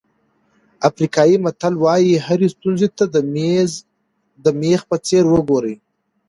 افریقایي متل وایي هرې ستونزې ته د مېخ په څېر وګورئ.